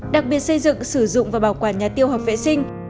đặc biệt xây dựng sử dụng và bảo quản nhà tiêu hợp vệ sinh